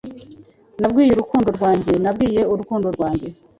Nabwiye urukundo rwanjye, Nabwiye urukundo rwanjye,